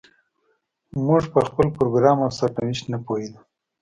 موږ په خپل پروګرام او سرنوشت نه پوهېدو.